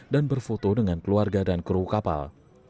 dan berfoto dengan keluarga dan kru kapal